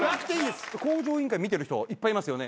『向上委員会』見てる人いっぱいいますよね？